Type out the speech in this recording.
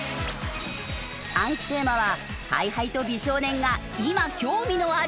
暗記テーマはＨｉＨｉと美少年が今興味のある事。